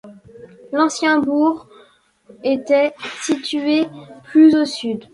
L'ancien bourg était situé plus au sud.